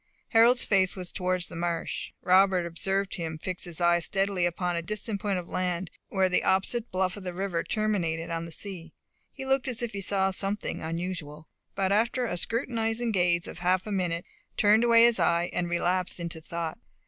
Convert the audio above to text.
Harold's face was towards the marsh. Robert observed him fix his eye steadily upon a distant point of land, where the opposite bluff of the river terminated on the sea. He looked as if he saw something unusual, but after a scrutinizing gaze of half a minute, turned away his eye, and relapsed into thought.